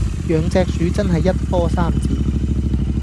養隻鼠真係一波三折